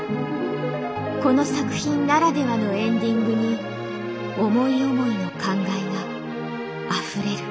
この作品ならではのエンディングに思い思いの感慨があふれる。